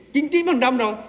chính trí bằng năm rồi